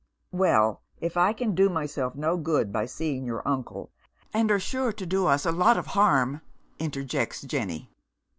" Well, if I can do myself no good by seeing your uncle "And are sure to do us a lot of harm," interjects Jenny.